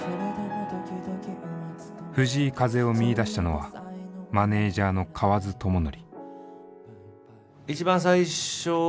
藤井風を見いだしたのはマネージャーの河津知典。